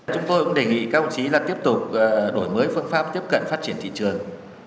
chúng tôi cũng đề nghị các ông chí là tiếp tục đổi mới phương pháp tiếp cận phát triển thị trường